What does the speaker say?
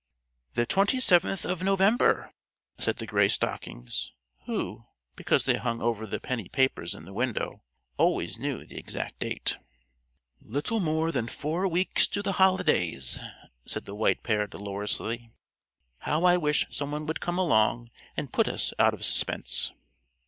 "The twenty seventh of November," said the Gray Stockings, who, because they hung over the penny papers in the window, always knew the exact date. "Little more than four weeks to the holidays," said the White Pair dolorously. "How I wish some one would come along and put us out of suspense."